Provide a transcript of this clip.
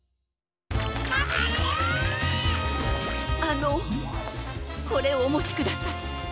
あのこれをおもちください。